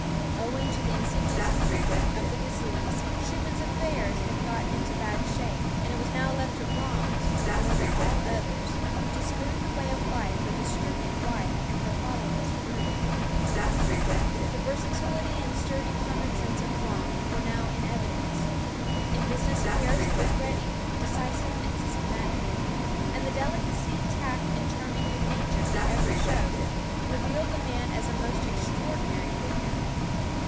Owing to the insidious creeping of the disease, Schumann's affairs had got into bad shape; and it was now left to Brahms, more than all others, to smooth the way of life for the stricken wife and her fatherless brood. The versatility and sturdy commonsense of Brahms were now in evidence. In business affairs he was ready, decisive and systematic. And the delicacy, tact and charming good nature he ever showed, reveal the man as a most extraordinary figure.